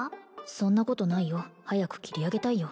そんなことないよ早く切り上げたいよ